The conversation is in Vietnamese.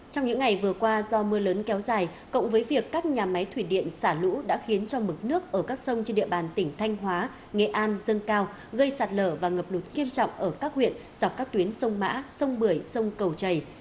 trong những ngày vừa qua do mưa lớn kéo dài cộng với việc các nhà máy thủy điện xả lũ đã khiến cho mực nước ở các sông trên địa bàn tỉnh thanh hóa nghệ an dâng cao gây sạt lở và ngập lụt nghiêm trọng ở các huyện dọc các tuyến sông mã sông bưởi sông cầu chảy